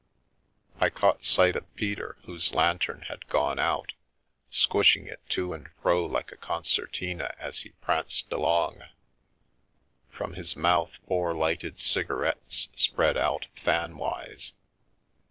I caught sight of Peter, whose lantern had gone out, squishing it to and fro like a concertina as he pranced along, from his mouth four lighted cigarettes spread out fanwise.